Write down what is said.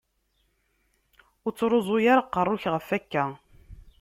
Ur ttruẓ ara aqerru-k ɣef akka!